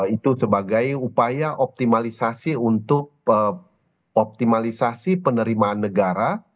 itu sebagai upaya optimalisasi untuk optimalisasi penerimaan negara